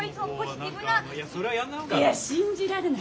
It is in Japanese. いや信じられない！